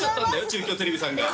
中京テレビさんが。